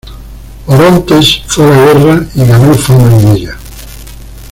Orontes fue a la guerra y ganó fama en ella.